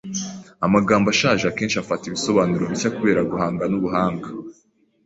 Amagambo ashaje akenshi afata ibisobanuro bishya kubera guhanga nubuhanga.